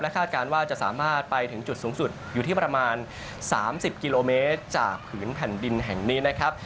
คาดการณ์ว่าจะสามารถไปถึงจุดสูงสุดอยู่ที่ประมาณ๓๐กิโลเมตรจากผืนแผ่นดินแห่งนี้นะครับ